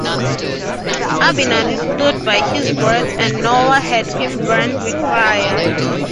Abinadi stood by his words and Noah had him burned with fire.